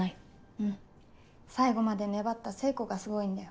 うん最後まで粘った聖子がすごいんだよ。